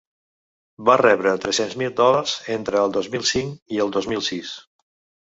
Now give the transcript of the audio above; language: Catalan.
Va rebre tres-cents mil dòlars entre el dos mil cinc i el dos mil sis.